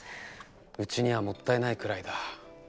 うちにはもったいないくらいだ。